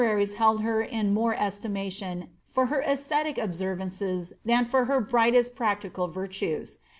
ries held her in more estimation for her ascetic observances than for her brightest practical virtues.